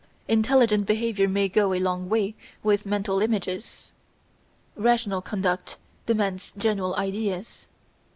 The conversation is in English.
Intelligent behaviour may go a long way with mental images; rational conduct demands general ideas.